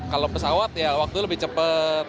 kalau pesawat ya waktu lebih cepat